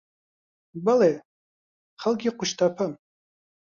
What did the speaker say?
بەڵێ، خەڵکی قوشتەپەم.